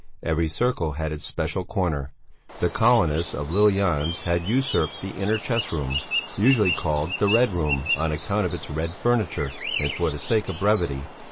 Every circle had its special corner; the colonists of Lill Jans had usurped the inner chess room, usually called the Red Room on account of its red furniture and for the sake of brevity.